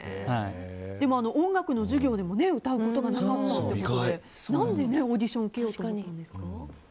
でも、音楽の授業でも歌うことがなかったということで何でオーディションを受けようと思ったんですか？